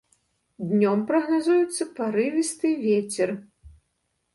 Днём прагназуецца парывісты вецер.